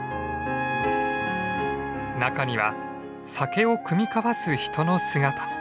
中には酒を酌み交わす人の姿も。